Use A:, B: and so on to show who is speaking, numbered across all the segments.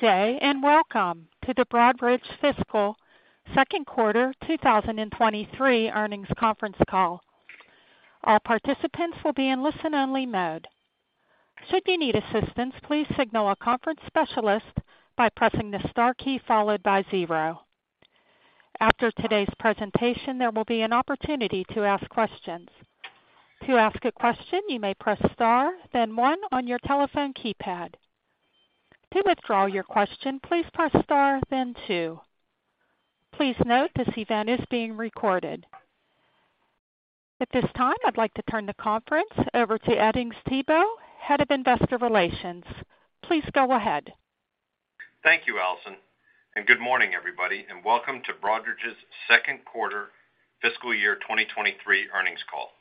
A: Good day, welcome to the Broadridge Fiscal Second Quarter 2023 Earnings Conference Call. All participants will be in listen-only mode. Should you need assistance, please signal a conference specialist by pressing the star key followed by zero. After today's presentation, there will be an opportunity to ask questions. To ask a question, you may press star, then one on your telephone keypad. To withdraw your question, please press star then two. Please note this event is being recorded. At this time, I'd like to turn the conference over to Edings Thibault, Head of Investor Relations. Please go ahead.
B: Thank you, Allison. Good morning, everybody, and welcome to Broadridge's second quarter fiscal year 2023 earnings call.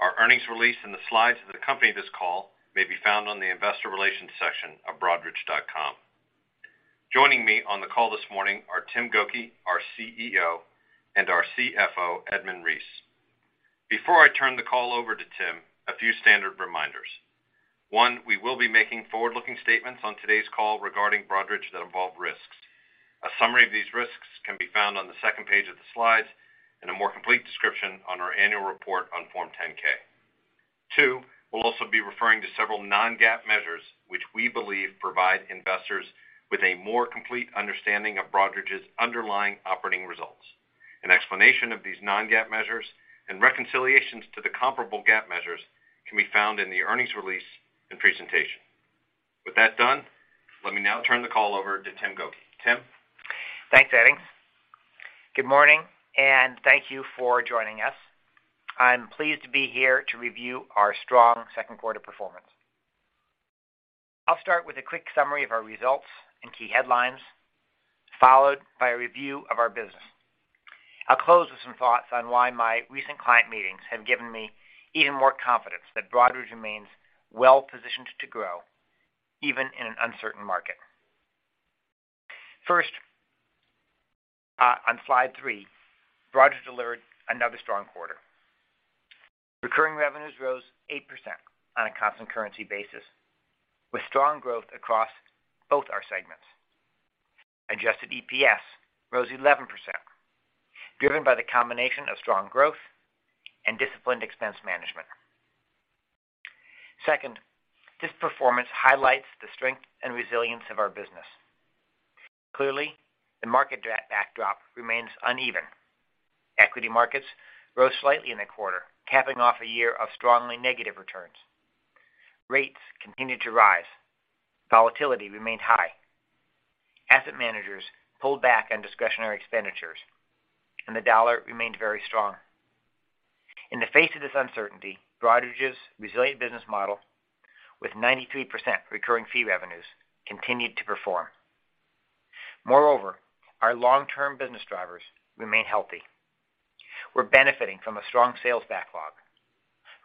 B: Our earnings release and the slides that accompany this call may be found on the investor relations section of broadridge.com. Joining me on the call this morning are Tim Gokey, our CEO, and our CFO, Edmund Reese. Before I turn the call over to Tim, a few standard reminders. One, we will be making forward-looking statements on today's call regarding Broadridge that involve risks. A summary of these risks can be found on the second page of the slides and a more complete description on our annual report on Form 10-K. Two, we'll also be referring to several non-GAAP measures, which we believe provide investors with a more complete understanding of Broadridge's underlying operating results. An explanation of these non-GAAP measures and reconciliations to the comparable GAAP measures can be found in the earnings release and presentation. With that done, let me now turn the call over to Tim Gokey. Tim.
C: Thanks, Edings. Good morning, thank you for joining us. I'm pleased to be here to review our strong second quarter performance. I'll start with a quick summary of our results and key headlines, followed by a review of our business. I'll close with some thoughts on why my recent client meetings have given me even more confidence that Broadridge remains well-positioned to grow even in an uncertain market. First, on slide three, Broadridge delivered another strong quarter. Recurring revenues rose 8% on a constant currency basis, with strong growth across both our segments. Adjusted EPS rose 11%, driven by the combination of strong growth and disciplined expense management. This performance highlights the strength and resilience of our business. Clearly, the market backdrop remains uneven. Equity markets rose slightly in the quarter, capping off a year of strongly negative returns. Rates continued to rise. Volatility remained high. Asset managers pulled back on discretionary expenditures, the dollar remained very strong. In the face of this uncertainty, Broadridge's resilient business model with 93% recurring fee revenues continued to perform. Our long-term business drivers remain healthy. We're benefiting from a strong sales backlog,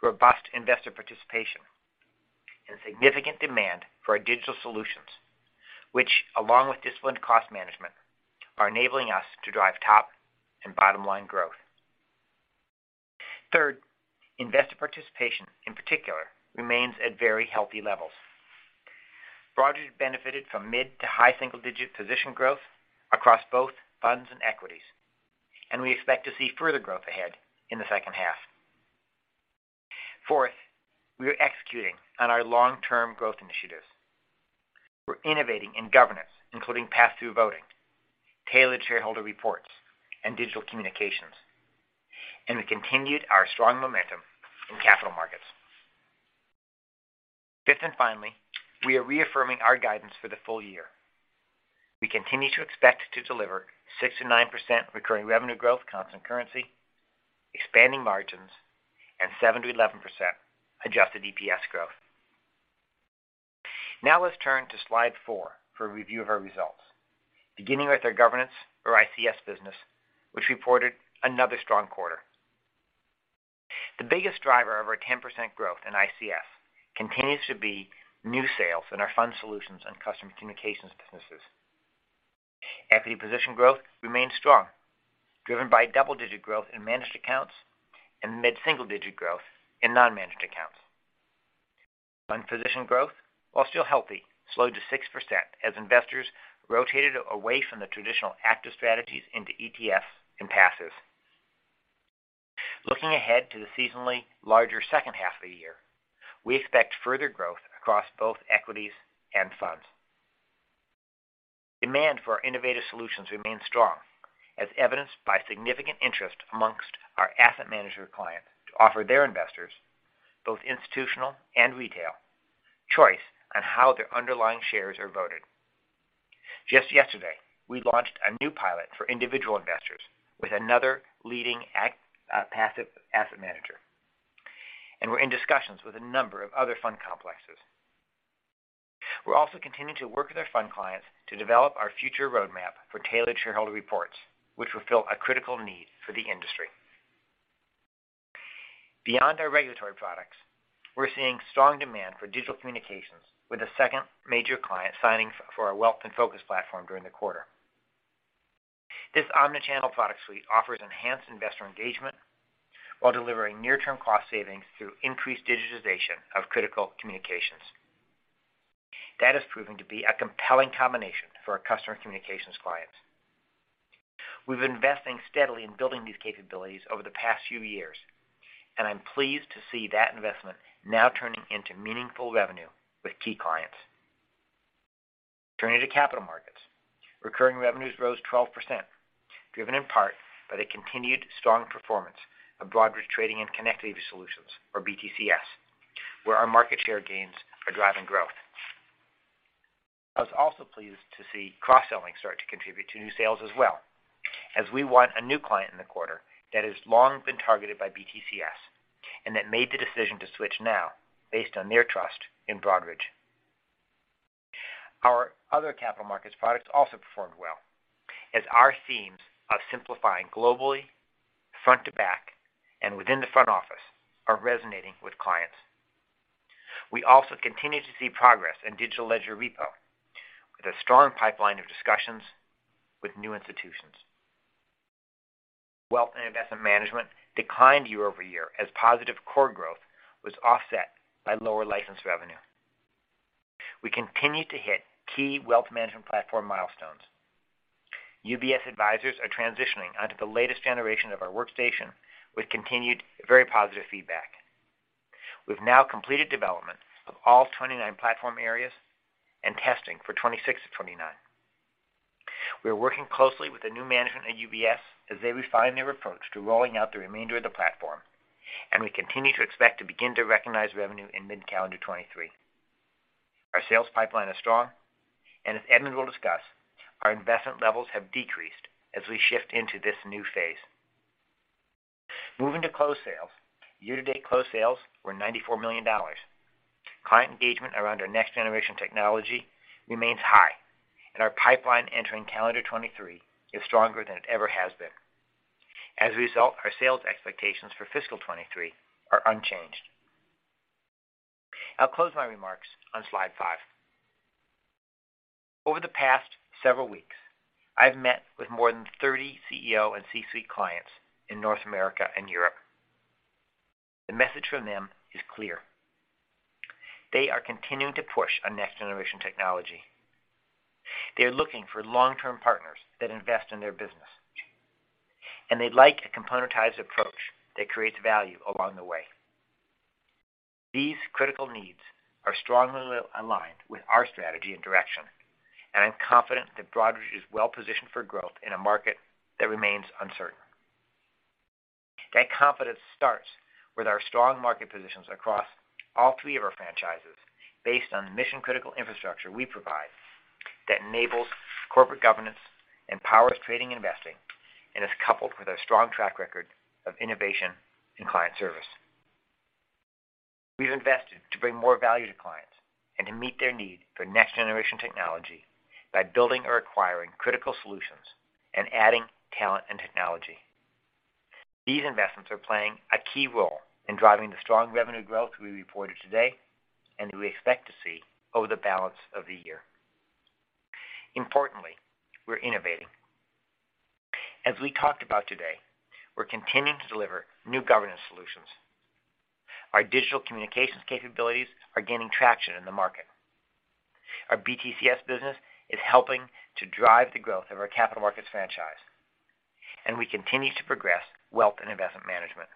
C: robust investor participation, and significant demand for our digital solutions, which, along with disciplined cost management, are enabling us to drive top and bottom line growth. Third, investor participation, in particular, remains at very healthy levels. Broadridge benefited from mid to high single-digit position growth across both funds and equities, we expect to see further growth ahead in the second half. Fourth, we are executing on our long-term growth initiatives. We're innovating in governance, including pass-through voting, Tailored Shareholder Reports, and digital communications, we continued our strong momentum in capital markets. Fifth, and finally, we are reaffirming our guidance for the full year. We continue to expect to deliver 6%-9% recurring revenue growth, constant currency, expanding margins, and 7%-11% adjusted EPS growth. Now let's turn to slide four for a review of our results, beginning with our governance or ICS business, which reported another strong quarter. The biggest driver of our 10% growth in ICS continues to be new sales in our fund solutions and custom communications businesses. Equity position growth remains strong, driven by double-digit growth in managed accounts and mid-single digit growth in non-managed accounts. Fund position growth, while still healthy, slowed to 6% as investors rotated away from the traditional active strategies into ETFs and passives. Looking ahead to the seasonally larger second half of the year, we expect further growth across both equities and funds. Demand for our innovative solutions remains strong, as evidenced by significant interest amongst our asset manager clients to offer their investors, both institutional and retail, choice on how their underlying shares are voted. Just yesterday, we launched a new pilot for individual investors with another leading passive asset manager, we're in discussions with a number of other fund complexes. We're also continuing to work with our fund clients to develop our future roadmap for Tailored Shareholder Reports, which fulfill a critical need for the industry. Beyond our regulatory products, we're seeing strong demand for digital communications with a second major client signing for our Broadridge Wealth Platform during the quarter. This omni-channel product suite offers enhanced investor engagement while delivering near-term cost savings through increased digitization of critical communications. That is proving to be a compelling combination for our customer communications clients. We've been investing steadily in building these capabilities over the past few years, and I'm pleased to see that investment now turning into meaningful revenue with key clients. Turning to capital markets, recurring revenues rose 12%, driven in part by the continued strong performance of Broadridge Trading and Connectivity Solutions, or BTCS, where our market share gains are driving growth. I was also pleased to see cross-selling start to contribute to new sales as well, as we won a new client in the quarter that has long been targeted by BTCS and that made the decision to switch now based on their trust in Broadridge. Our other capital markets products also performed well as our themes of simplifying globally, front to back, and within the front office are resonating with clients. We also continue to see progress in Distributed Ledger Repo with a strong pipeline of discussions with new institutions. Wealth and investment management declined year-over-year as positive core growth was offset by lower license revenue. We continued to hit key wealth management platform milestones. UBS advisors are transitioning onto the latest generation of our workstation with continued very positive feedback. We've now completed development of all 29 platform areas and testing for 26 of 29. We are working closely with the new management at UBS as they refine their approach to rolling out the remainder of the platform. We continue to expect to begin to recognize revenue in mid-calendar 2023. Our sales pipeline is strong. As Edmund will discuss, our investment levels have decreased as we shift into this new phase. Moving to closed sales, year-to-date closed sales were $94 million. Client engagement around our next-generation technology remains high. Our pipeline entering calendar 2023 is stronger than it ever has been. As a result, our sales expectations for fiscal 2023 are unchanged. I'll close my remarks on slide five. Over the past several weeks, I've met with more than 30 CEO and C-suite clients in North America and Europe. The message from them is clear. They are continuing to push on next-generation technology. They are looking for long-term partners that invest in their business. They'd like a componentized approach that creates value along the way. These critical needs are strongly aligned with our strategy and direction, and I'm confident that Broadridge is well-positioned for growth in a market that remains uncertain. That confidence starts with our strong market positions across all three of our franchises based on the mission-critical infrastructure we provide that enables corporate governance and powers trading and investing, and is coupled with our strong track record of innovation and client service. We've invested to bring more value to clients and to meet their need for next-generation technology by building or acquiring critical solutions and adding talent and technology. These investments are playing a key role in driving the strong revenue growth we reported today and that we expect to see over the balance of the year. Importantly, we're innovating. As we talked about today, we're continuing to deliver new governance solutions. Our digital communications capabilities are gaining traction in the market. Our BTCS business is helping to drive the growth of our capital markets franchise. We continue to progress wealth and investment management.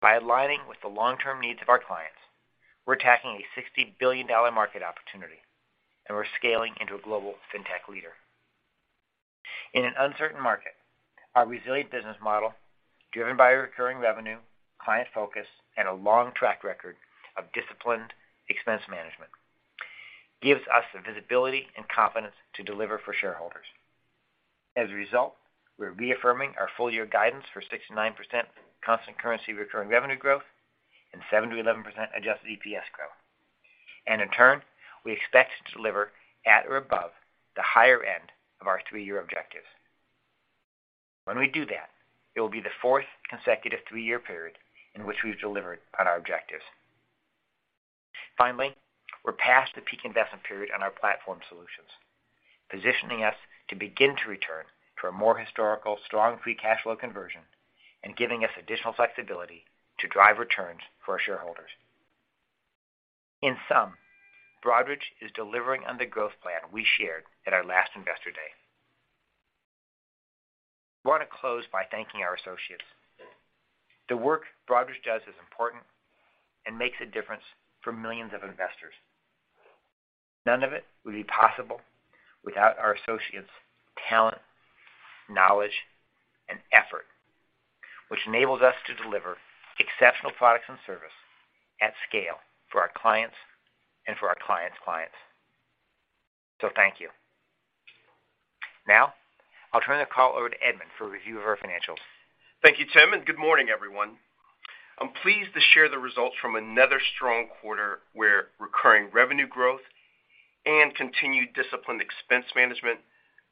C: By aligning with the long-term needs of our clients, we're attacking a $60 billion market opportunity, and we're scaling into a global Fintech leader. In an uncertain market, our resilient business model, driven by recurring revenue, client focus, and a long track record of disciplined expense management, gives us the visibility and confidence to deliver for shareholders. As a result, we're reaffirming our full year guidance for 6%-9% constant currency recurring revenue growth and 7%-11% adjusted EPS growth. In turn, we expect to deliver at or above the higher end of our three-year objectives. When we do that, it will be the fourth consecutive three-year period in which we've delivered on our objectives. Finally, we're past the peak investment period on our platform solutions, positioning us to begin to return to a more historical strong free cash flow conversion and giving us additional flexibility to drive returns for our shareholders. In sum, Broadridge is delivering on the growth plan we shared at our last Investor Day. I want to close by thanking our associates. The work Broadridge does is important and makes a difference for millions of investors. None of it would be possible without our associates' talent, knowledge, and effort, which enables us to deliver exceptional products and service at scale for our clients and for our clients' clients. Thank you. Now, I'll turn the call over to Edmund for a review of our financials.
D: Thank you, Tim, and good morning, everyone. I'm pleased to share the results from another strong quarter where recurring revenue growth and continued disciplined expense management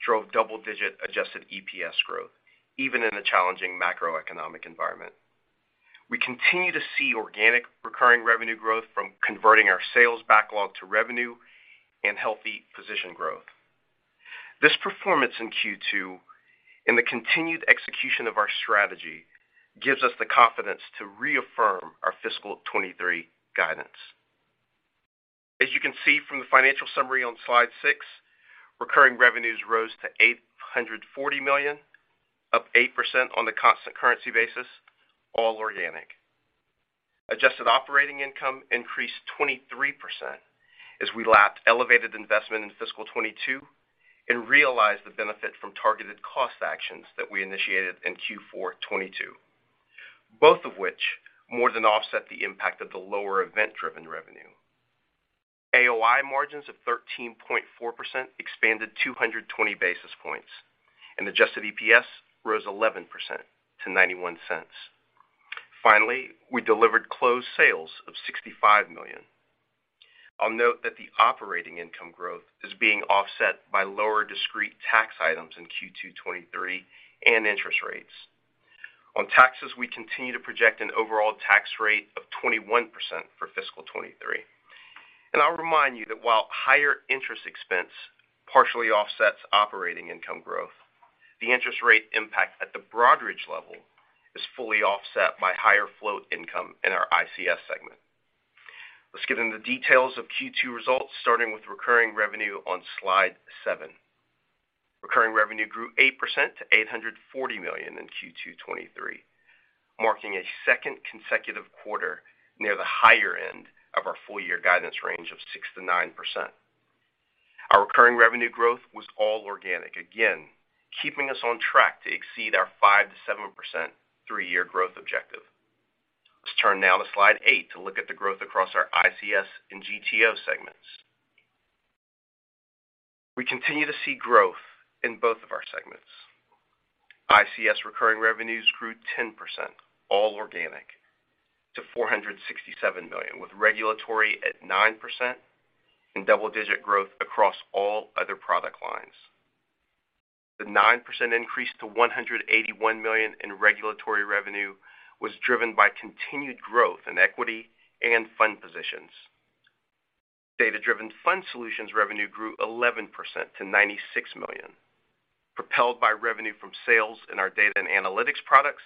D: drove double-digit adjusted EPS growth, even in a challenging macroeconomic environment. We continue to see organic recurring revenue growth from converting our sales backlog to revenue and healthy position growth. This performance in Q2 and the continued execution of our strategy gives us the confidence to reaffirm our fiscal 2023 guidance. As you can see from the financial summary on slide six, recurring revenues rose to $840 million, up 8% on the constant currency basis, all organic. Adjusted operating income increased 23% as we lapped elevated investment in fiscal 2022 and realized the benefit from targeted cost actions that we initiated in Q4 2022, both of which more than offset the impact of the lower event-driven revenue. AOI margins of 13.4% expanded 220 basis points, adjusted EPS rose 11% to $0.91. Finally, we delivered closed sales of $65 million. I'll note that the operating income growth is being offset by lower discrete tax items in Q2 2023 and interest rates. On taxes, we continue to project an overall tax rate of 21% for fiscal 2023. I'll remind you that while higher interest expense partially offsets operating income growth, the interest rate impact at the Broadridge level is fully offset by higher float income in our ICS segment. Let's get into the details of Q2 results, starting with recurring revenue on slide seven. Recurring revenue grew 8% to $840 million in Q2 2023, marking a second consecutive quarter near the higher end of our full year guidance range of 6%-9%. Our recurring revenue growth was all organic, again, keeping us on track to exceed our 5%-7% three-year growth objective. Let's turn now to slide eight to look at the growth across our ICS and GTO segments. We continue to see growth in both of our segments. ICS recurring revenues grew 10%, all organic, to $467 million, with regulatory at 9% and double-digit growth across all other product lines. The 9% increase to $181 million in regulatory revenue was driven by continued growth in equity and fund positions. Data-driven fund solutions revenue grew 11% to $96 million, propelled by revenue from sales in our data and analytics products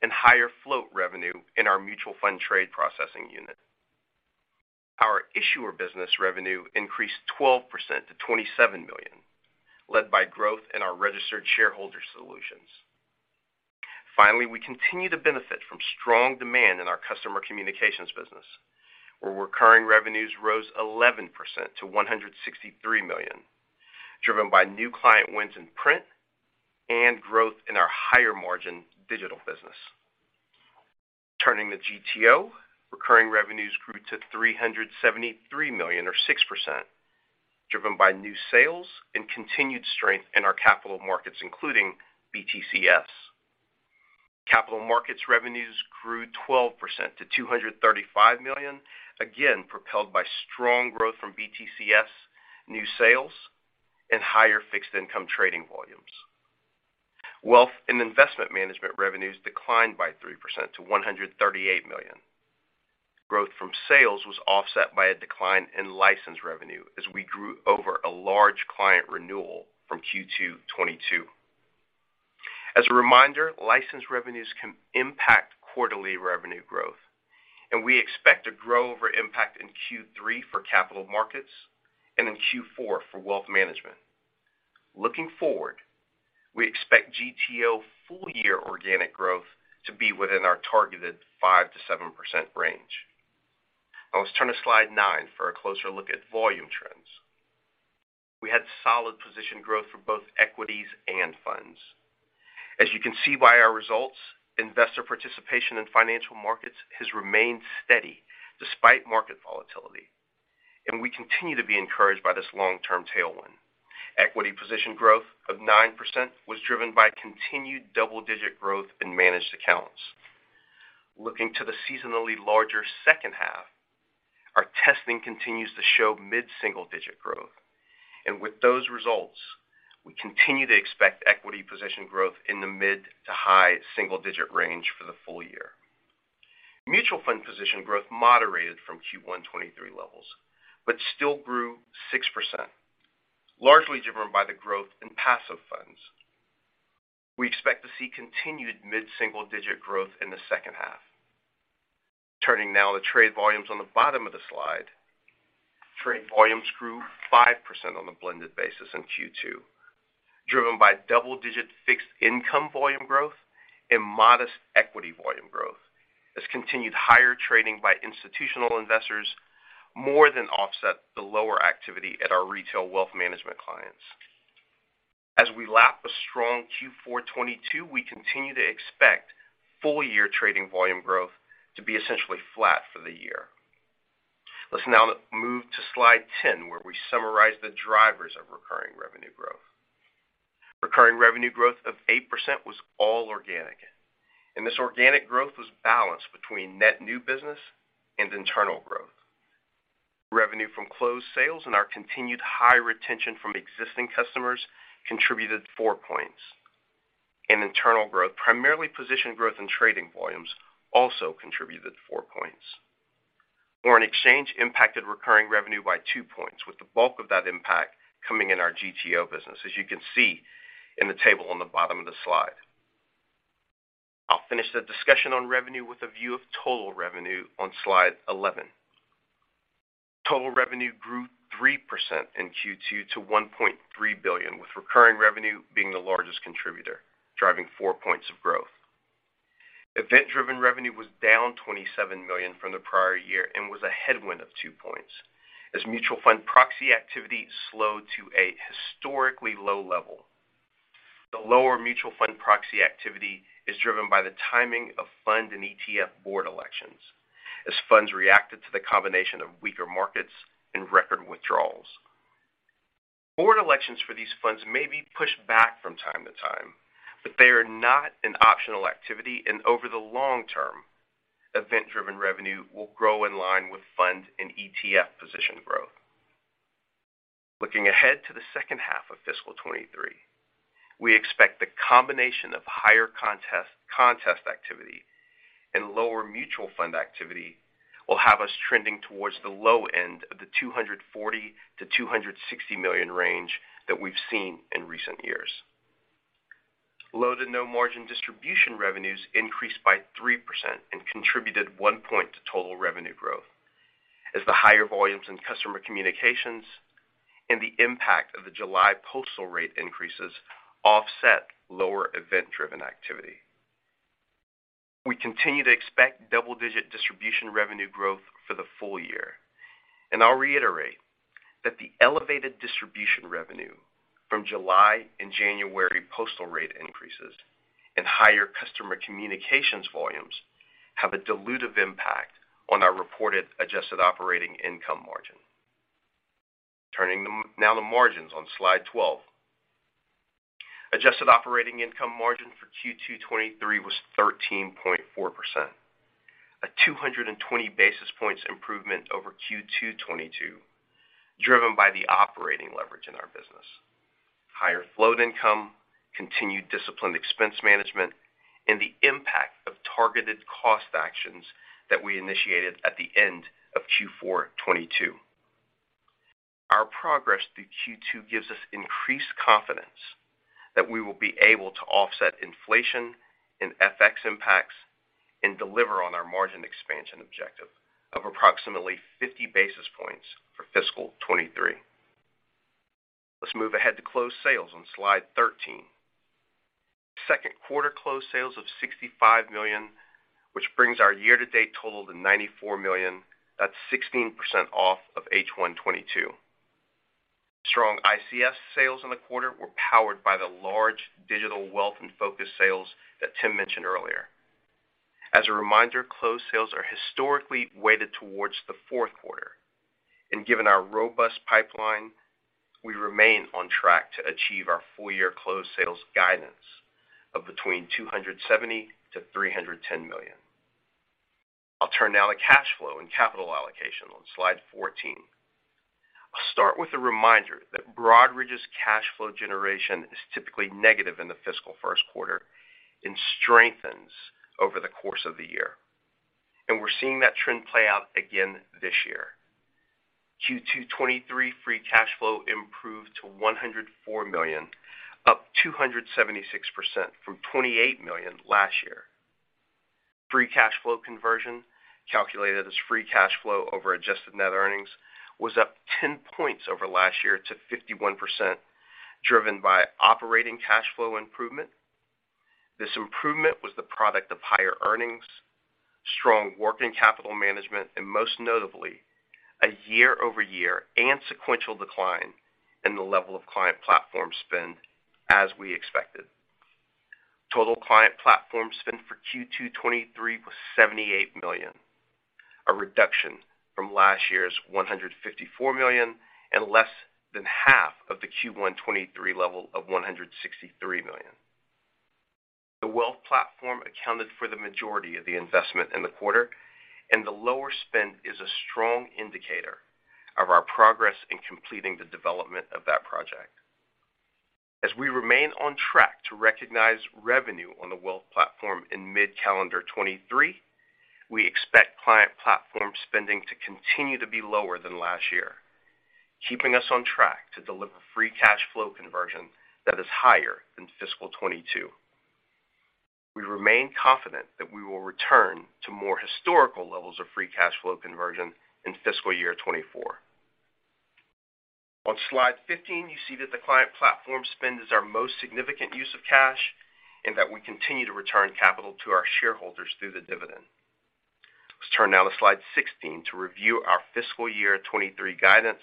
D: and higher float revenue in our mutual fund trade processing unit. Our issuer business revenue increased 12% to $27 million, led by growth in our registered shareholder solutions. We continue to benefit from strong demand in our customer communications business, where recurring revenues rose 11% to $163 million, driven by new client wins in print and growth in our higher-margin digital business. Turning to GTO, recurring revenues grew to $373 million or 6%, driven by new sales and continued strength in our capital markets, including BTCS. Capital markets revenues grew 12% to $235 million, again propelled by strong growth from BTCS new sales and higher fixed income trading volumes. Wealth and investment management revenues declined by 3% to $138 million. Growth from sales was offset by a decline in license revenue as we grew over a large client renewal from Q2 2022. As a reminder, license revenues can impact quarterly revenue growth, we expect to grow over impact in Q3 for capital markets and in Q4 for wealth management. Looking forward, we expect GTO full-year organic growth to be within our targeted 5%-7% range. Let's turn to slide nine for a closer look at volume trends. We had solid position growth for both equities and funds. As you can see by our results, investor participation in financial markets has remained steady despite market volatility, we continue to be encouraged by this long-term tailwind. Equity position growth of 9% was driven by continued double-digit growth in managed accounts. Looking to the seasonally larger second half, our testing continues to show mid-single digit growth. With those results, we continue to expect equity position growth in the mid to high single-digit range for the full year. Mutual fund position growth moderated from Q1 2023 levels, still grew 6%, largely driven by the growth in passive funds. We expect to see continued mid-single digit growth in the second half. Turning now to trade volumes on the bottom of the slide. Trade volumes grew 5% on a blended basis in Q2, driven by double-digit fixed income volume growth and modest equity volume growth as continued higher trading by institutional investors more than offset the lower activity at our retail wealth management clients. As we lap a strong Q4 2022, we continue to expect full-year trading volume growth to be essentially flat for the year. Let's now move to slide 10, where we summarize the drivers of recurring revenue growth. Recurring revenue growth of 8% was all organic. This organic growth was balanced between net new business and internal growth. From closed sales and our continued high retention from existing customers contributed four points. In internal growth, primarily position growth and trading volumes also contributed four points. Foreign exchange impacted recurring revenue by two points, with the bulk of that impact coming in our GTO business, as you can see in the table on the bottom of the slide. I'll finish the discussion on revenue with a view of total revenue on slide 11. Total revenue grew 3% in Q2 to $1.3 billion, with recurring revenue being the largest contributor, driving four points of growth. Event-driven revenue was down $27 million from the prior year and was a headwind of two points, as mutual fund proxy activity slowed to a historically low level. The lower mutual fund proxy activity is driven by the timing of fund and ETF board elections, as funds reacted to the combination of weaker markets and record withdrawals. Board elections for these funds may be pushed back from time to time, but they are not an optional activity and over the long term, event-driven revenue will grow in line with fund and ETF position growth. Looking ahead to the second half of fiscal 2023, we expect the combination of higher contest activity and lower mutual fund activity will have us trending towards the low end of the $240 million-$260 million range that we've seen in recent years. Low to no margin distribution revenues increased by 3% and contributed 1 point to total revenue growth. As the higher volumes in customer communications and the impact of the July postal rate increases offset lower event-driven activity. We continue to expect double-digit distribution revenue growth for the full year. I'll reiterate that the elevated distribution revenue from July and January postal rate increases and higher customer communications volumes have a dilutive impact on our reported adjusted operating income margin. To margins on Slide 12. Adjusted operating income margin for Q2 2023 was 13.4%. A 220 basis points improvement over Q2 2022, driven by the operating leverage in our business. Higher float income, continued disciplined expense management, and the impact of targeted cost actions that we initiated at the end of Q4 2022. Our progress through Q2 gives us increased confidence that we will be able to offset inflation and FX impacts and deliver on our margin expansion objective of approximately 50 basis points for fiscal 2023. Let's move ahead to closed sales on slide 13. Second quarter closed sales of $65 million, which brings our year to date total to $94 million, that's 16% off of H1 2022. Strong ICS sales in the quarter were powered by the large digital wealth and focus sales that Tim mentioned earlier. As a reminder, closed sales are historically weighted towards the fourth quarter, and given our robust pipeline, we remain on track to achieve our full-year closed sales guidance of between $270 million-$310 million. I'll turn now to cash flow and capital allocation on slide 14. I'll start with a reminder that Broadridge's cash flow generation is typically negative in the fiscal first quarter and strengthens over the course of the year. We're seeing that trend play out again this year. Q2 2023 free cash flow improved to $104 million, up 276% from $28 million last year. Free cash flow conversion, calculated as free cash flow over adjusted net earnings, was up 10 points over last year to 51%, driven by operating cash flow improvement. This improvement was the product of higher earnings, strong working capital management, and most notably, a year-over-year and sequential decline in the level of client platform spend as we expected. Total client platform spend for Q2 2023 was $78 million, a reduction from last year's $154 million and less than half of the Q1 2023 level of $163 million. The wealth platform accounted for the majority of the investment in the quarter. The lower spend is a strong indicator of our progress in completing the development of that project. As we remain on track to recognize revenue on the wealth platform in mid-calendar 2023, we expect client platform spending to continue to be lower than last year, keeping us on track to deliver free cash flow conversion that is higher than fiscal 2022. We remain confident that we will return to more historical levels of free cash flow conversion in fiscal year 2024. On slide 15, you see that the client platform spend is our most significant use of cash and that we continue to return capital to our shareholders through the dividend. Let's turn now to slide 16 to review our fiscal year 2023 guidance,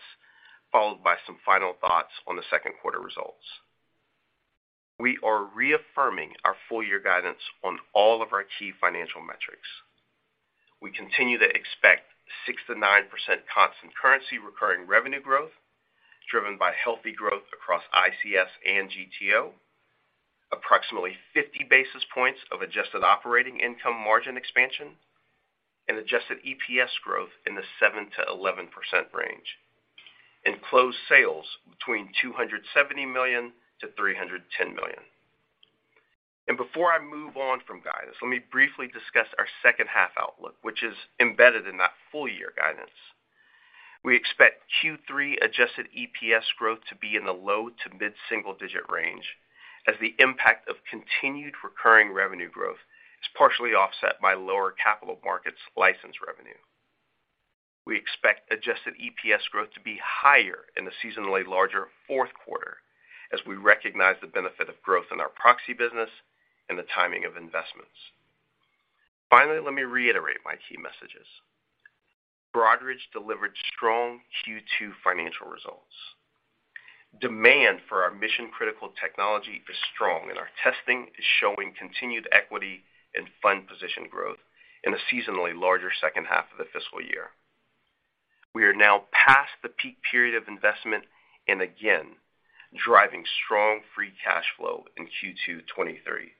D: followed by some final thoughts on the second quarter results. We are reaffirming our full year guidance on all of our key financial metrics. We continue to expect 6%-9% constant currency recurring revenue growth, driven by healthy growth across ICS and GTO. Approximately 50 basis points of adjusted operating income margin expansion and adjusted EPS growth in the 7%-11% range, and close sales between $270 million-$310 million. Before I move on from guidance, let me briefly discuss our second half outlook, which is embedded in that full year guidance. We expect Q3 adjusted EPS growth to be in the low to mid-single digit range as the impact of continued recurring revenue growth is partially offset by lower capital markets license revenue. We expect adjusted EPS growth to be higher in the seasonally larger fourth quarter as we recognize the benefit of growth in our proxy business and the timing of investments. Finally, let me reiterate my key messages. Broadridge delivered strong Q2 financial results. Demand for our mission-critical technology is strong, and our testing is showing continued equity and fund position growth in a seasonally larger second half of the fiscal year. We are now past the peak period of investment. Again, driving strong free cash flow in Q2 2023,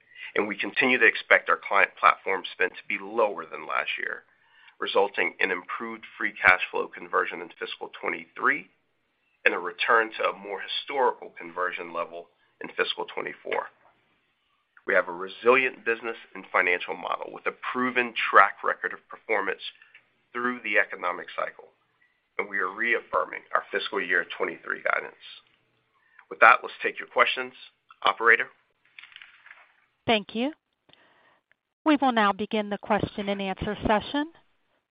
D: we continue to expect our client platform spend to be lower than last year, resulting in improved free cash flow conversion into fiscal 2023 and a return to a more historical conversion level in fiscal 2024. We have a resilient business and financial model with a proven track record of performance through the economic cycle. We are reaffirming our fiscal year 2023 guidance. With that, let's take your questions. Operator?
A: Thank you. We will now begin the question-and-answer session.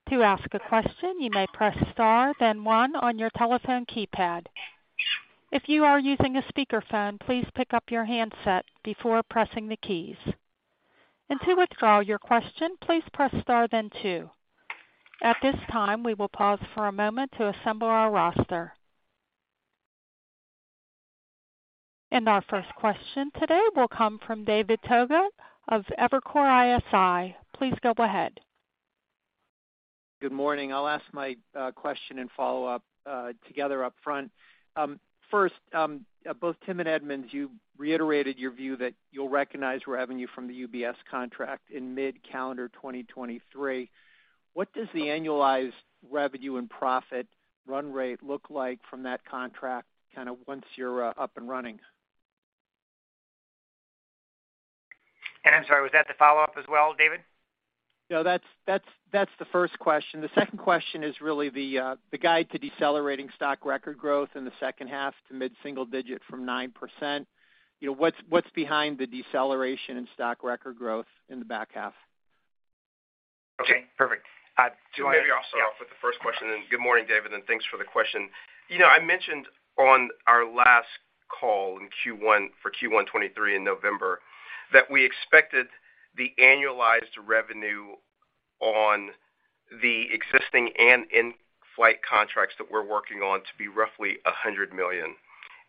A: To ask a question, you may press star then one on your telephone keypad. If you are using a speakerphone, please pick up your handset before pressing the keys. To withdraw your question, please press star then two. At this time, we will pause for a moment to assemble our roster. Our first question today will come from David Togut of Evercore ISI. Please go ahead.
E: Good morning. I'll ask my question and follow-up together up front. First, both Tim and Edmund, you reiterated your view that you'll recognize revenue from the UBS contract in mid-calendar 2023. What does the annualized revenue and profit run rate look like from that contract kinda once you're up and running?
D: I'm sorry, was that the follow-up as well, David?
E: No, that's the first question. The second question is really the guide to decelerating stock record growth in the second half to mid-single digit from 9%. You know, what's behind the deceleration in stock record growth in the back half?
D: Okay, perfect. Maybe I'll start off with the first question then. Good morning, David. Thanks for the question. You know, I mentioned on our last call for Q1 2023 in November that we expected the annualized revenue on the existing and in-flight contracts that we're working on to be roughly $100 million,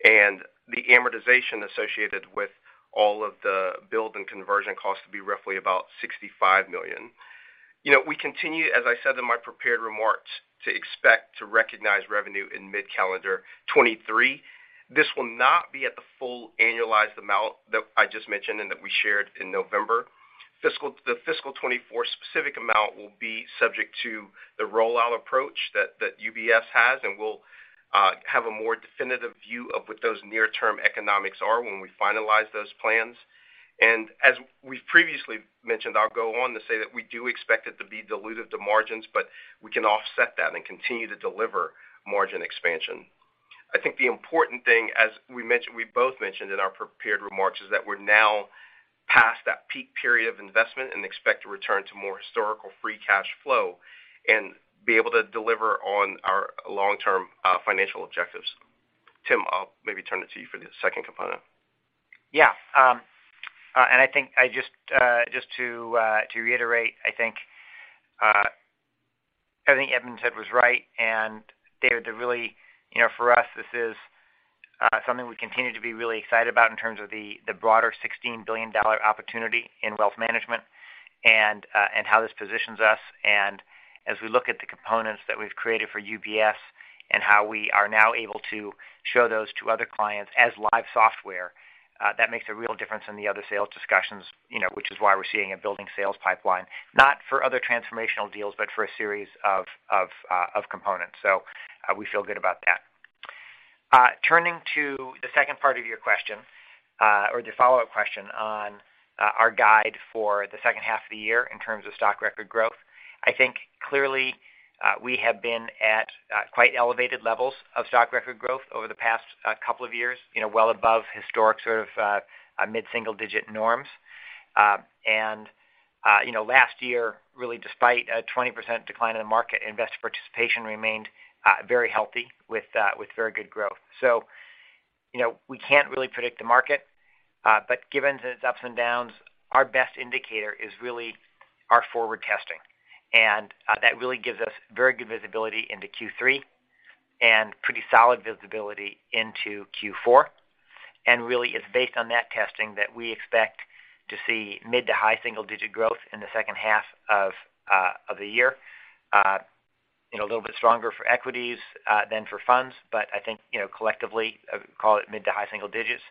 D: and the amortization associated with all of the build and conversion costs to be roughly about $65 million. You know, we continue, as I said in my prepared remarks, to expect to recognize revenue in mid-calendar 2023. This will not be at the full annualized amount that I just mentioned and that we shared in November. The fiscal 2024 specific amount will be subject to the rollout approach that UBS has, and we'll have a more definitive view of what those near-term economics are when we finalize those plans. As we've previously mentioned, I'll go on to say that we do expect it to be dilutive to margins, but we can offset that and continue to deliver margin expansion. I think the important thing, as we both mentioned in our prepared remarks, is that we're now past that peak period of investment and expect to return to more historical free cash flow and be able to deliver on our long-term financial objectives. Tim, I'll maybe turn it to you for the second component. Yeah. I think I just to reiterate, I think everything Edmund said was right. David, to really, you know, for us, this is something we continue to be really excited about in terms of the Broadridge $16 billion opportunity in wealth management and how this positions us. As we look at the components that we've created for UBS and how we are now able to show those to other clients as live software, that makes a real difference in the other sales discussions, you know, which is why we're seeing a building sales pipeline, not for other transformational deals, but for a series of components. We feel good about that. Turning to the second part of your question, or the follow-up question on our guide for the second half of the year in terms of stock record growth. I think clearly, we have been at quite elevated levels of stock record growth over the past two years, you know, well above historic sort of mid-single-digit norms. You know, last year, really despite a 20% decline in the market, investor participation remained very healthy with very good growth. You know, we can't really predict the market, but given its ups and downs, our best indicator is really our forward testing. That really gives us very good visibility into Q3 and pretty solid visibility into Q4. Really, it's based on that testing that we expect to see mid-to-high single-digit growth in the second half of the year. You know, a little bit stronger for equities than for funds, but I think, you know, collectively, call it mid-to-high single digits.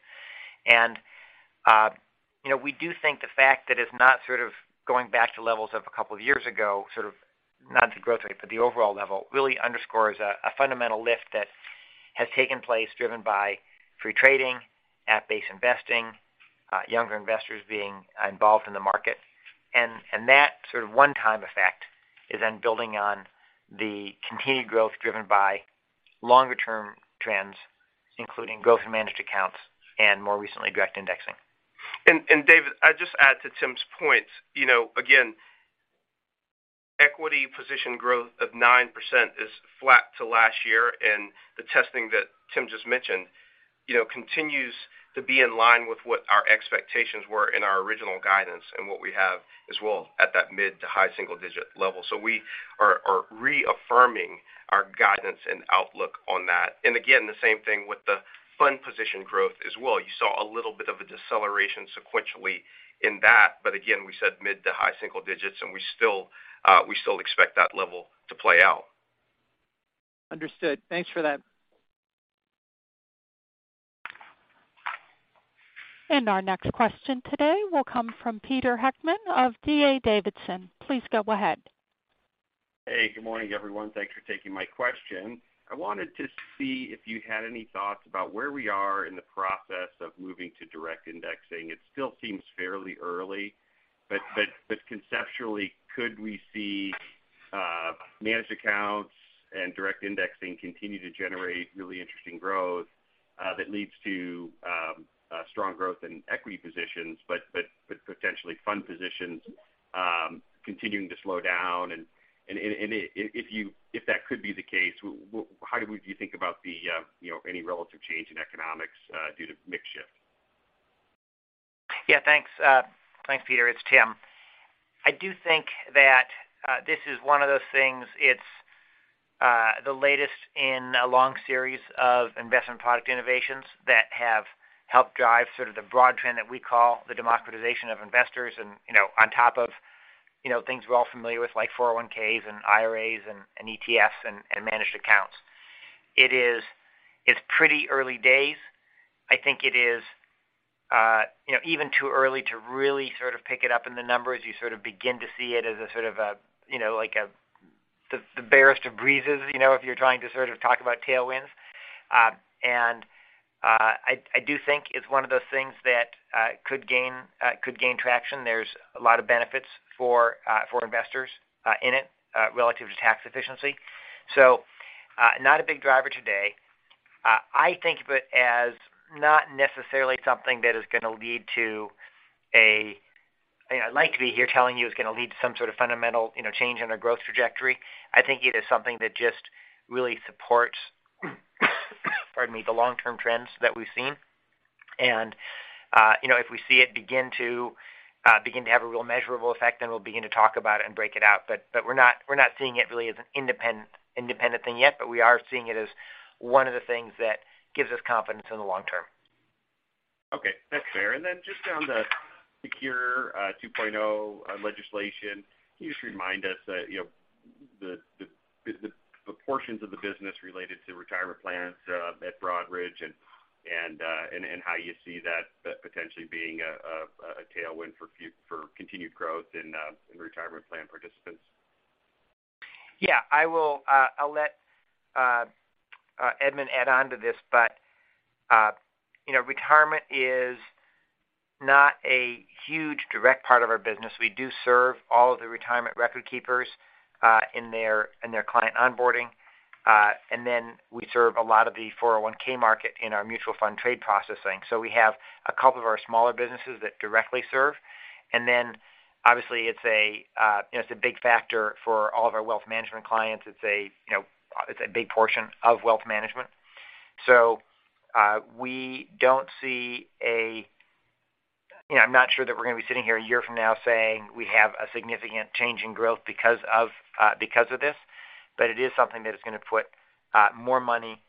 D: You know, we do think the fact that it's not sort of going back to levels of a couple of years ago, sort of not the growth rate, but the overall level really underscores a fundamental lift that has taken place driven by free trading, app-based investing, younger investors being involved in the market. That sort of one-time effect is then building on the continued growth driven by longer-term trends, including growth in managed accounts and more recently, direct indexing. David ,I'll just add to Tim's point. You know again, equity position growth of 9% is flat to last year, and the testing that Tim just mentioned, you know, continues to be in line with what our expectations were in our original guidance and what we have as well at that mid to high single-digit level. We are reaffirming our guidance and outlook on that. Again, the same thing with the fund position growth as well. You saw a little bit of a deceleration sequentially in that, but again, we said mid to high single digits, and we still expect that level to play out.
E: Understood. Thanks for that.
A: Our next question today will come from Peter Heckmann of D.A. Davidson. Please go ahead.
F: Hey, good morning, everyone. Thanks for taking my question. I wanted to see if you had any thoughts about where we are in the process of moving to direct indexing. It still seems fairly early, but conceptually, could we see managed accounts and direct indexing continue to generate really interesting growth that leads to strong growth in equity positions, but potentially fund positions continuing to slow down? If that could be the case, how do you think about the, you know, any relative change in economics due to mix shift?
C: Thanks, Peter. It's Tim. I do think that this is one of those things. It's the latest in a long series of investment product innovations that have helped drive sort of the broad trend that we call the democratization of investors and, you know, on top of, you know, things we're all familiar with, like 401Ks and IRAs and ETFs and managed accounts. It's pretty early days. I think it is, you know, even too early to really sort of pick it up in the numbers. You sort of begin to see it as a sort of a, you know, like a, the barest of breezes, you know, if you're trying to sort of talk about tailwinds. I do think it's one of those things that could gain traction. There's a lot of benefits for for investors in it relative to tax efficiency. Not a big driver today. I think of it as not necessarily something that is gonna lead to. You know, I'd like to be here telling you it's gonna lead to some sort of fundamental, you know, change in our growth trajectory. I think it is something that just really supports, pardon me, the long-term trends that we've seen. You know, if we see it begin to have a real measurable effect, then we'll begin to talk about it and break it out. We're not seeing it really as an independent thing yet, but we are seeing it as one of the things that gives us confidence in the long term.
F: Okay. That's fair. Then just on the SECURE 2.0 legislation, can you just remind us that, you know, the portions of the business related to retirement plans at Broadridge and how you see that potentially being a tailwind for continued growth in retirement plan participants?
C: Yeah. I will, I'll let Edmund add on to this. You know, retirement is not a huge direct part of our business. We do serve all of the retirement record keepers, in their, in their client onboarding. We serve a lot of the 401K market in our mutual fund trade processing. We have a couple of our smaller businesses that directly serve. Obviously, it's a, you know, it's a big factor for all of our wealth management clients. It's a, you know, it's a big portion of wealth management. We don't see a... You know, I'm not sure that we're gonna be sitting here a year from now saying we have a significant change in growth because of this, but it is something that is gonna put more money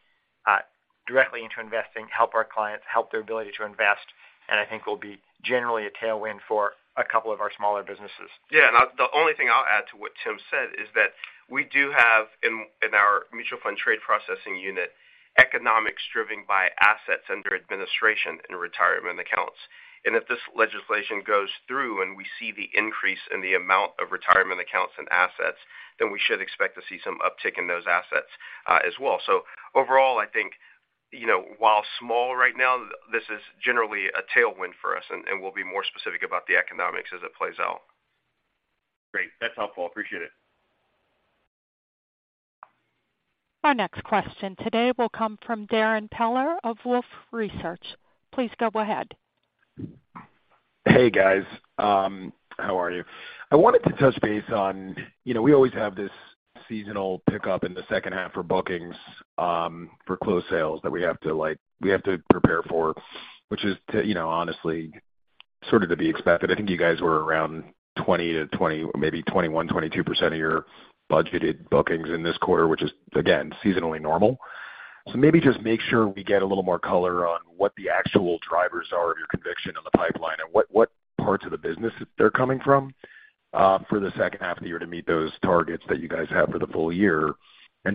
C: directly into investing, help our clients, help their ability to invest, and I think will be generally a tailwind for a couple of our smaller businesses.
D: Yeah. The only thing I'll add to what Tim said is that we do have in our mutual fund trade processing unit, economics driven by assets under administration in retirement accounts. If this legislation goes through and we see the increase in the amount of retirement accounts and assets, then we should expect to see some uptick in those assets as well. Overall, I think, you know, while small right now, this is generally a tailwind for us, and we'll be more specific about the economics as it plays out.
F: Great. That's helpful. Appreciate it.
A: Our next question today will come from Darrin Peller of Wolfe Research. Please go ahead.
G: Hey, guys. How are you? I wanted to touch base on, you know, we always have this seasonal pickup in the second half for bookings, for closed sales that we have to, like, prepare for, which is to, you know, honestly, sort of to be expected. I think you guys were around 20%-20% or maybe 21%-22% of your budgeted bookings in this quarter, which is again, seasonally normal. Maybe just make sure we get a little more color on what the actual drivers are of your conviction on the pipeline and what parts of the business they're coming from for the second half of the year to meet those targets that you guys have for the full-year.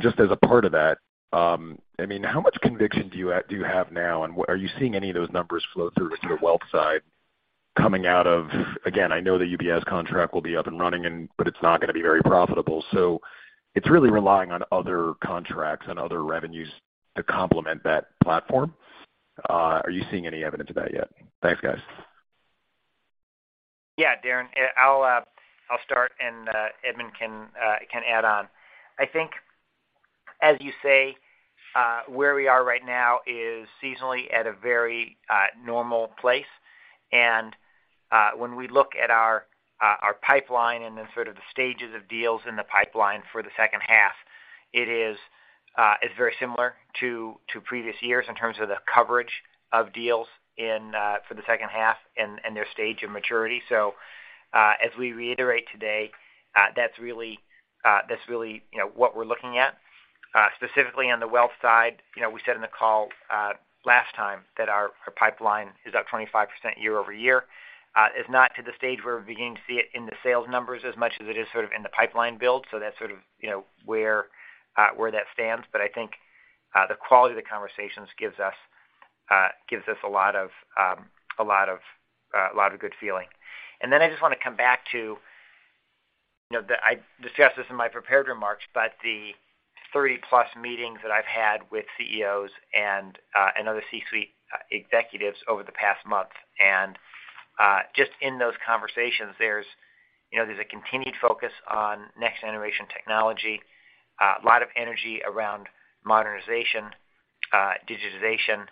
G: Just as a part of that, I mean, how much conviction do you have now, and what? Are you seeing any of those numbers flow through to the wealth side coming out of? Again, I know the UBS contract will be up and running, but it's not gonna be very profitable. It's really relying on other contracts and other revenues to complement that platform. Are you seeing any evidence of that yet? Thanks, guys.
C: Yeah, Darrin, I'll start, and Edmund can add on. I think, as you say, where we are right now is seasonally at a very normal place. When we look at our pipeline and then sort of the stages of deals in the pipeline for the second half, it's very similar to previous years in terms of the coverage of deals in for the second half and their stage of maturity. As we reiterate today, that's really, you know, what we're looking at. Specifically on the wealth side, you know, we said in the call last time that our pipeline is up 25% year-over-year. It's not to the stage where we're beginning to see it in the sales numbers as much as it is sort of in the pipeline build. That's sort of, you know, where that stands. I think the quality of the conversations gives us a lot of good feeling. Then I just wanna come back to, you know, I discussed this in my prepared remarks, but the 30+ meetings that I've had with CEOs and other C-suite executives over the past month. Just in those conversations, there's, you know, there's a continued focus on next-generation technology, a lot of energy around modernization, digitization.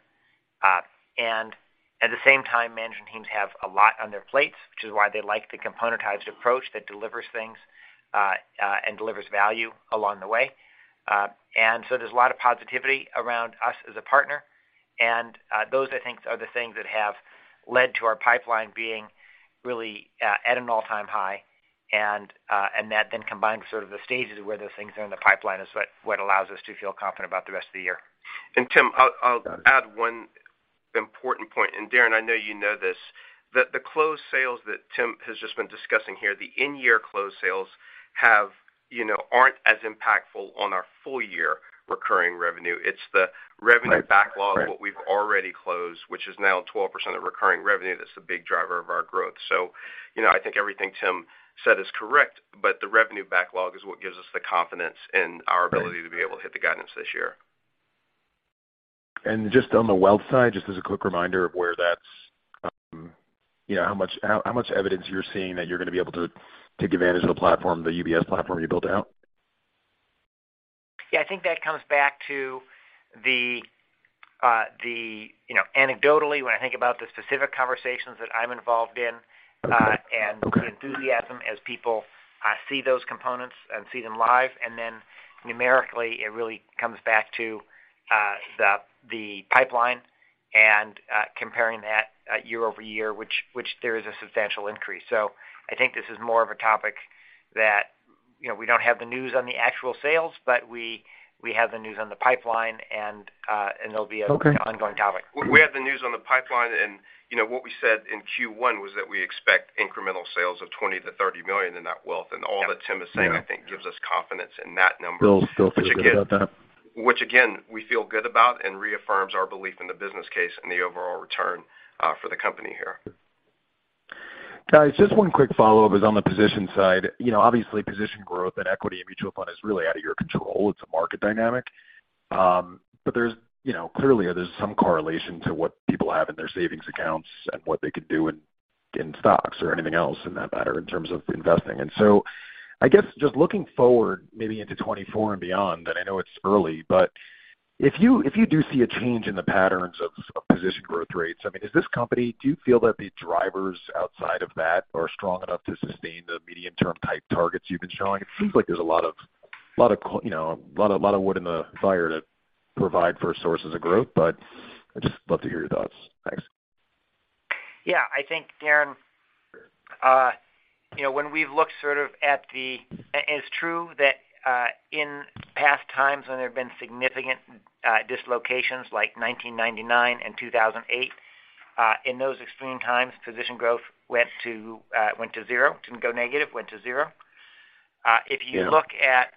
C: At the same time, management teams have a lot on their plates, which is why they like the componentized approach that delivers things and delivers value along the way. There's a lot of positivity around us as a partner. Those, I think, are the things that have led to our pipeline being really at an all-time high, and that then combined with sort of the stages of where those things are in the pipeline is what allows us to feel confident about the rest of the year.
D: Tim, I'll add one important point. Darrin, I know you know this, that the closed sales that Tim has just been discussing here, the in-year closed sales have, you know, aren't as impactful on our full year recurring revenue. It's the revenue backlog-
G: Right. Right.
D: -of what we've already closed, which is now 12% of recurring revenue that's the big driver of our growth. You know, I think everything Tim said is correct, but the revenue backlog is what gives us the confidence in our ability to be able to hit the guidance this year.
G: Just on the wealth side, just as a quick reminder of where that's, you know, how much evidence you're seeing that you're gonna be able to take advantage of the platform, the UBS platform you built out?
C: Yeah. I think that comes back to the... You know, anecdotally, when I think about the specific conversations that I'm involved in, and the enthusiasm as people, see those components and see them live, and then numerically, it really comes back to, the pipeline and, comparing that, year over year, which there is a substantial increase. I think this is more of a topic that, you know, we don't have the news on the actual sales, but we have the news on the pipeline, and there'll be an ongoing topic.
G: Okay.
D: We have the news on the pipeline and, you know, what we said in Q1 was that we expect incremental sales of $20 million-$30 million in that wealth. All that Tim is saying, I think, gives us confidence in that number.
G: Still feel good about that.
D: Which again, we feel good about and reaffirms our belief in the business case and the overall return for the company here.
G: Guys, just one quick follow-up is on the position side. You know, obviously, position growth and equity in mutual fund is really out of your control. It's a market dynamic. There's, you know, clearly there's some correlation to what people have in their savings accounts and what they can do in stocks or anything else in that matter in terms of investing. I guess just looking forward maybe into 2024 and beyond, I know it's early, but if you do see a change in the patterns of position growth rates, I mean, is this company... Do you feel that the drivers outside of that are strong enough to sustain the medium-term type targets you've been showing? It seems like there's a lot of, you know, a lot of wood in the fire to provide for sources of growth, but I'd just love to hear your thoughts. Thanks.
C: Yeah. I think, Darrin, you know, when we've looked sort of at the... It's true that, in past times when there have been significant dislocations like 1999 and 2008, in those extreme times, position growth went to went to zero. Didn't go negative, went to zero. If you look at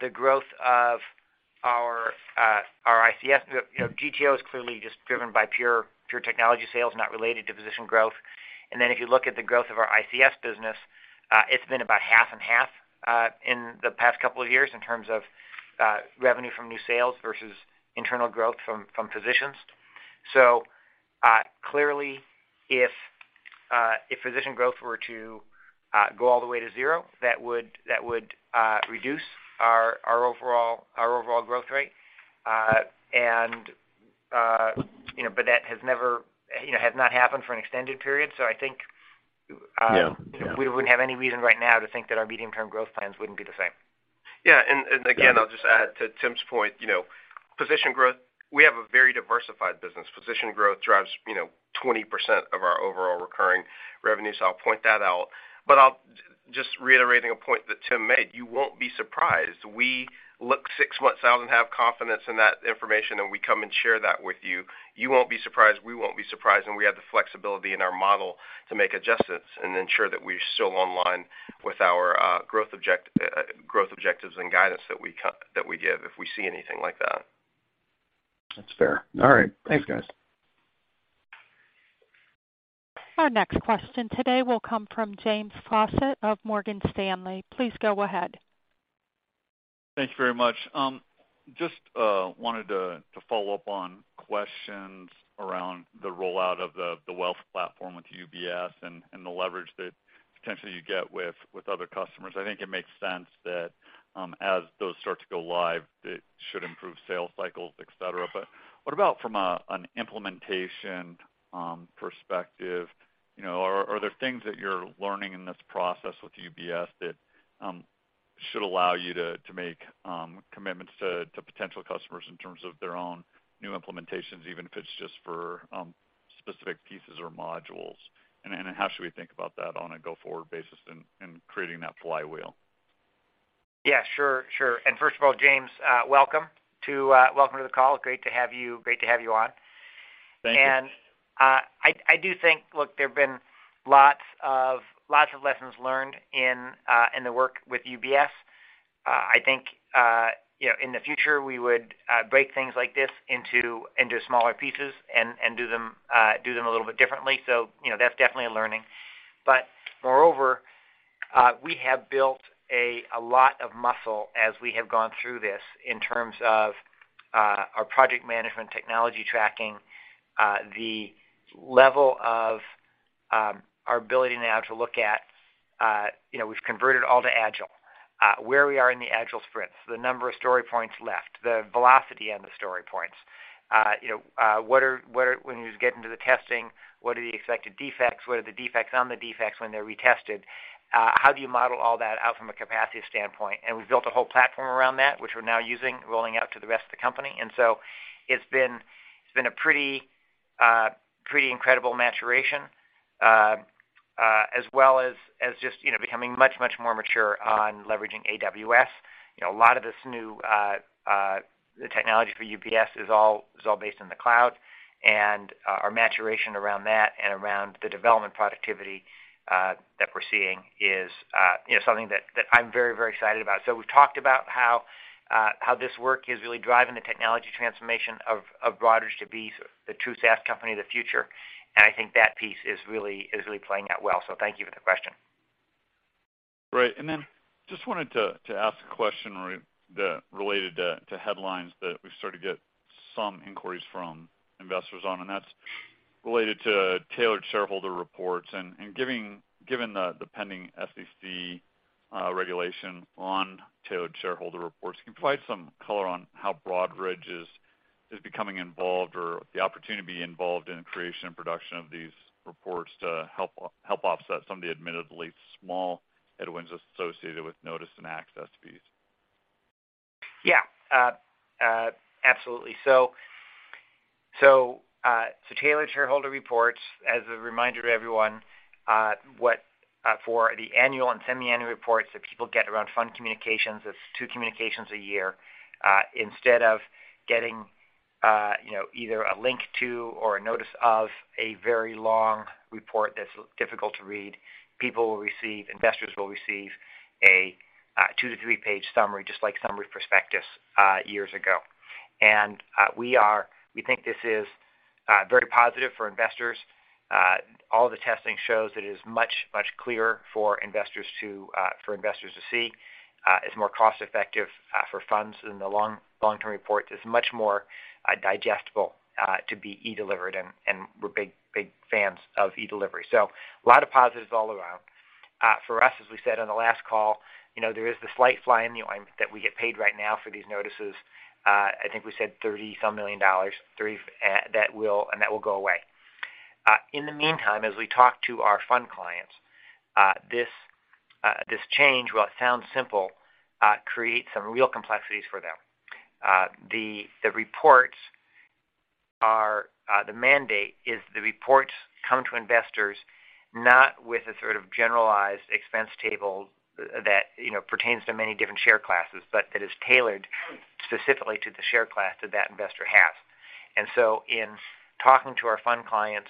C: the growth of our our ICS, you know, GTO is clearly just driven by pure technology sales, not related to position growth. If you look at the growth of our ICS business, it's been about half and half in the past couple of years in terms of revenue from new sales versus internal growth from positions. Clearly, if position growth were to go all the way to zero, that would reduce our overall growth rate. You know, but that has never, you know, has not happened for an extended period. I think.
G: Yeah. Yeah....
C: we wouldn't have any reason right now to think that our medium-term growth plans wouldn't be the same.
D: Yeah. Again, I'll just add to Tim's point, you know, position growth, we have a very diversified business. Position growth drives, you know, 20% of our overall recurring revenue, so I'll point that out. I'll just reiterating a point that Tim made, you won't be surprised. We look 6 months out and have confidence in that information, and we come and share that with you. You won't be surprised, we won't be surprised, and we have the flexibility in our model to make adjustments and ensure that we're still online with our growth objectives and guidance that we give if we see anything like that.
G: That's fair. All right. Thanks, guys.
A: Our next question today will come from James Faucette of Morgan Stanley. Please go ahead.
H: Thank you very much. Just wanted to follow up on questions around the rollout of the Wealth Platform with UBS and the leverage that potentially you get with other customers. I think it makes sense that as those start to go live, it should improve sales cycles, et cetera. What about from an implementation perspective? You know, are there things that you're learning in this process with UBS that should allow you to make commitments to potential customers in terms of their own new implementations, even if it's just for specific pieces or modules? How should we think about that on a go-forward basis in creating that flywheel?
C: Yeah, sure. First of all, James, welcome to the call. Great to have you on.
H: Thank you.
C: I do think. Look, there have been lots of lessons learned in the work with UBS. I think, you know, in the future, we would break things like this into smaller pieces and do them a little bit differently. You know, that's definitely a learning. Moreover, we have built a lot of muscle as we have gone through this in terms of our project management technology tracking, the level of our ability now to look at, you know, we've converted all to Agile. Where we are in the Agile sprints, the number of story points left, the velocity on the story points. You know, what are when you get into the testing, what are the expected defects? What are the defects on the defects when they're retested? How do you model all that out from a capacity standpoint? We've built a whole platform around that, which we're now using, rolling out to the rest of the company. It's been a pretty incredible maturation as well as just, you know, becoming much, much more mature on leveraging AWS. You know, a lot of this new technology for UBS is all based in the cloud. Our maturation around that and around the development productivity that we're seeing is, you know, something that I'm very, very excited about. We've talked about how this work is really driving the technology transformation of Broadridge to be the true SaaS company of the future. I think that piece is really playing out well. Thank you for the question.
H: Great. Just wanted to ask a question that related to headlines that we've started to get some inquiries from investors on, that's related to Tailored Shareholder Reports. Given the pending SEC regulation on Tailored Shareholder Reports, can you provide some color on how Broadridge is becoming involved or the opportunity involved in the creation and production of these reports to help offset some of the admittedly small headwinds associated with notice and access fees?
C: Yeah. Absolutely. Tailored Shareholder Reports, as a reminder to everyone, for the annual and semi-annual reports that people get around fund communications, it's two communications a year. Instead of getting, you know, either a link to or a notice of a very long report that's difficult to read, people will receive, investors will receive a 2-3-page summary, just like summary prospectus years ago. We think this is very positive for investors. All the testing shows it is much clearer for investors to see. It's more cost-effective for funds than the long-term report. It's much more digestible to be e-delivered, and we're big fans of e-delivery. A lot of positives all around. For us, as we said on the last call, you know, there is the slight fly in the ointment that we get paid right now for these notices. I think we said $30-some million that will go away. In the meantime, as we talk to our fund clients, this change, while it sounds simple, creates some real complexities for them. The reports are, the mandate is the reports come to investors not with a sort of generalized expense table that, you know, pertains to many different share classes, but that is tailored specifically to the share class that that investor has. In talking to our fund clients,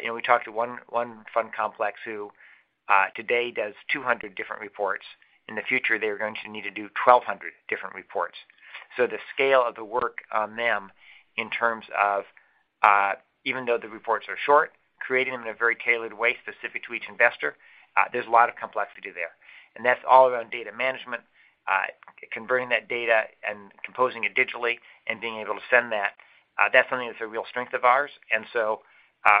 C: you know, we talked to one fund complex who today does 200 different reports. In the future, they're going to need to do 1,200 different reports. The scale of the work on them in terms of, even though the reports are short, creating them in a very tailored way specific to each investor, there's a lot of complexity there. That's all around data management, converting that data and composing it digitally and being able to send that's something that's a real strength of ours.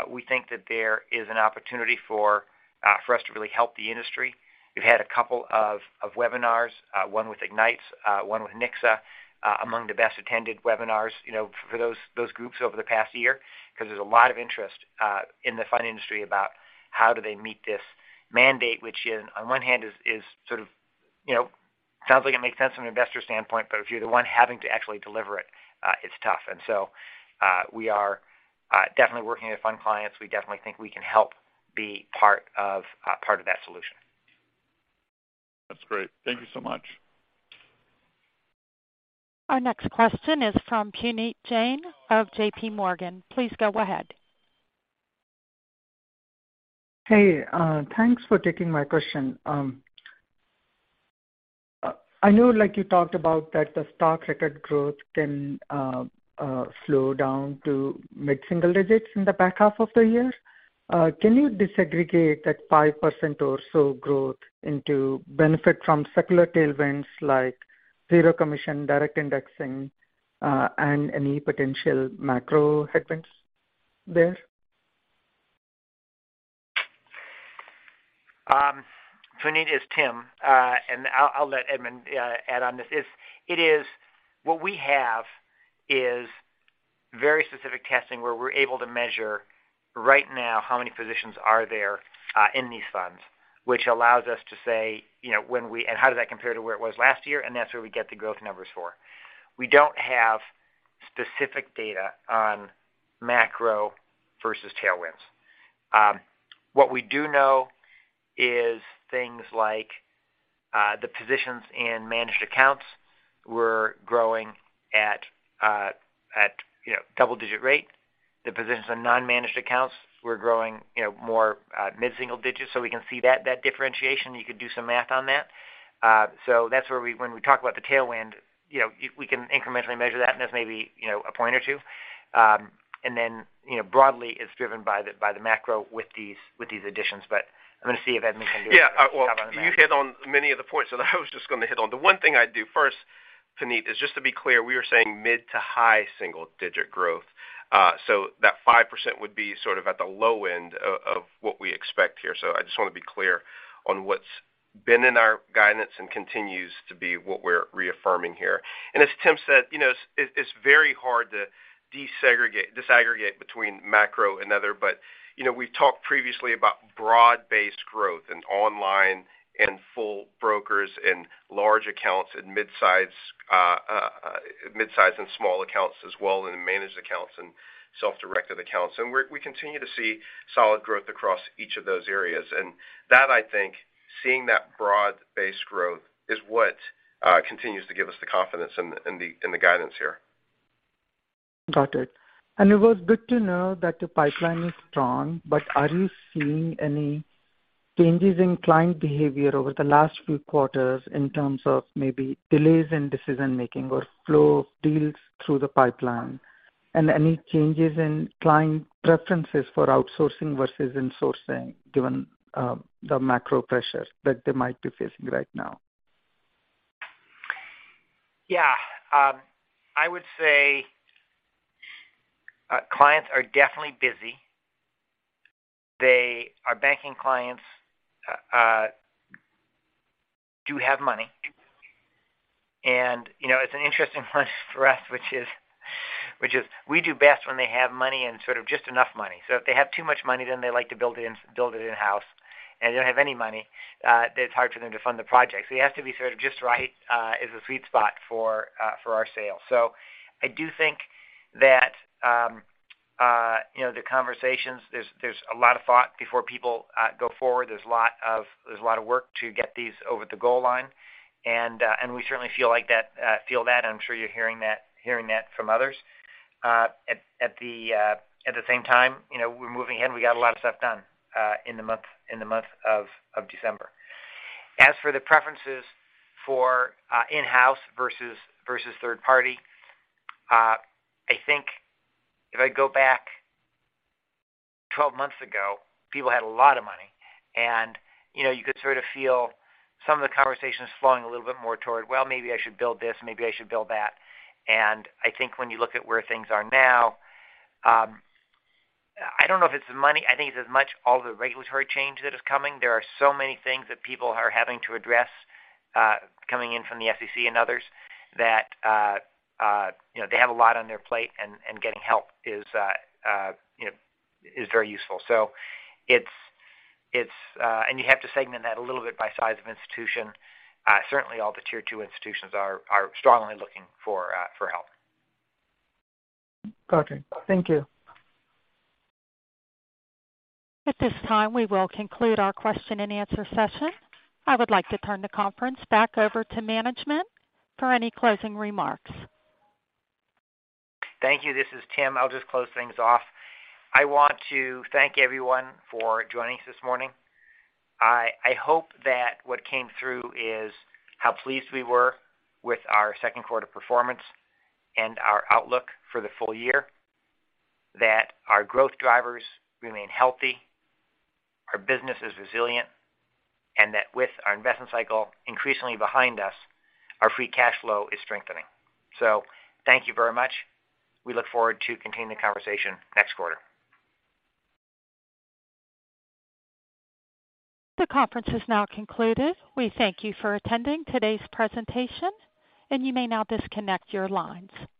C: We think that there is an opportunity for us to really help the industry. We've had a couple of webinars, one with Ignites, one with Nicsa, among the best attended webinars, you know, for those groups over the past year, 'cause there's a lot of interest in the fund industry about how do they meet this mandate, which on one hand is sort of, you know, sounds like it makes sense from an investor standpoint, but if you're the one having to actually deliver it's tough. We are definitely working with fund clients. We definitely think we can help be part of, part of that solution.
H: That's great. Thank you so much.
A: Our next question is from Puneet Jain of JPMorgan. Please go ahead.
I: Hey, thanks for taking my question. I know like you talked about that the stock record growth can slow down to mid-single digits in the back half of the year. Can you disaggregate that 5% or so growth into benefit from secular tailwinds like zero commission direct indexing, and any potential macro headwinds there?
C: Puneet, it's Tim. I'll let Edmund add on this. It is... What we have is very specific testing where we're able to measure right now how many positions are there in these funds, which allows us to say, you know. How does that compare to where it was last year, and that's where we get the growth numbers for. We don't have specific data on macro versus tailwinds. What we do know is things like the positions in managed accounts were growing at, you know, double-digit rate. The positions in non-managed accounts were growing, you know, more mid-single digits. We can see that differentiation. You could do some math on that. That's where when we talk about the tailwind, you know, we can incrementally measure that, and that's maybe, you know, a point or two. Then, you know, broadly, it's driven by the, by the macro with these, with these additions. I'm gonna see if Edmund can.
D: Yeah. Well, you hit on many of the points that I was just gonna hit on. The one thing I'd do first, Puneet, is just to be clear, we were saying mid to high single digit growth. That 5% would be sort of at the low end of what we expect here. I just wanna be clear on what's been in our guidance and continues to be what we're reaffirming here. As Tim said, you know, it's very hard to disaggregate between macro and other. You know, we've talked previously about broad-based growth in online and full brokers, in large accounts and mid-size and small accounts as well, and in managed accounts and self-directed accounts. We continue to see solid growth across each of those areas. That I think, seeing that broad-based growth is what continues to give us the confidence in the guidance here.
I: Got it. It was good to know that the pipeline is strong, but are you seeing any changes in client behavior over the last few quarters in terms of maybe delays in decision-making or flow of deals through the pipeline? Any changes in client preferences for outsourcing versus insourcing, given the macro pressures that they might be facing right now?
C: Yeah. I would say clients are definitely busy. Our banking clients do have money. You know, it's an interesting one for us, which is we do best when they have money and sort of just enough money. If they have too much money, then they like to build it in-house. They don't have any money, then it's hard for them to fund the project. It has to be sort of just right is the sweet spot for our sales. I do think that, you know, the conversations, there's a lot of thought before people go forward. There's a lot of work to get these over the goal line. I feel like that, and I'm sure you're hearing that, hearing that from others. At the same time, you know, we're moving ahead, and we got a lot of stuff done in the month, in the month of December. As for the preferences for in-house versus third party, I think if I go back 12 months ago, people had a lot of money. And, you know, you could sort of feel some of the conversations flowing a little bit more toward, "Well, maybe I should build this, maybe I should build that." And I think when you look at where things are now, I don't know if it's the money. I think it's as much all the regulatory change that is coming. There are so many things that people are having to address, coming in from the SEC and others that, you know, they have a lot on their plate, and getting help is, you know, is very useful. You have to segment that a little bit by size of institution. Certainly all the tier two institutions are strongly looking for help.
I: Got it. Thank you.
A: At this time, we will conclude our question and answer session. I would like to turn the conference back over to management for any closing remarks.
C: Thank you. This is Tim. I'll just close things off. I want to thank everyone for joining us this morning. I hope that what came through is how pleased we were with our second quarter performance and our outlook for the full year, that our growth drivers remain healthy, our business is resilient, and that with our investment cycle increasingly behind us, our free cash flow is strengthening. Thank you very much. We look forward to continuing the conversation next quarter.
A: The conference is now concluded. We thank you for attending today's presentation, and you may now disconnect your lines.